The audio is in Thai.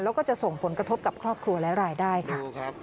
แล้วก็จะส่งผลกระทบกับครอบครัวและรายได้ค่ะ